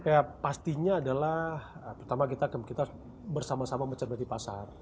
ya pastinya adalah pertama kita bersama sama mencermati pasar